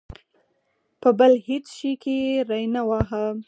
په بل هېڅ شي کې یې ری نه واهه.